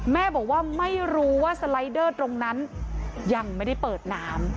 แม่บอกว่าไม่รู้ว่าสไลเดอร์ตรงนั้นยังไม่ได้เปิดน้ำ